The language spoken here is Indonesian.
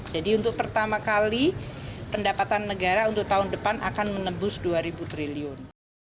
jadi untuk pertama kali pendapatan negara untuk tahun depan akan menembus dua triliun